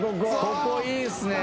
ここいいですね！